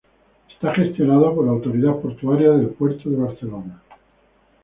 Está gestionado por la autoridad portuaria del puerto de Barcelona.